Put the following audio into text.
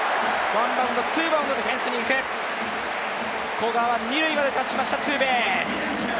古賀は二塁まで達しましたツーベース。